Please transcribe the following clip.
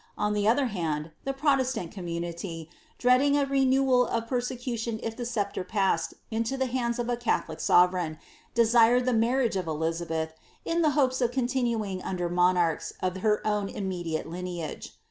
On the other hand, the protestant community, dreading a renewal of persecution if the sceptre passed into die hands of a catholic sovereign, desired the marriage of Elizabeth, in the hope of continuing under monarchs of her own immediate lineage.